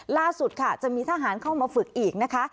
ล่าสุดค่ะจะมีทหารเข้ามาฝึกอีกนะคะ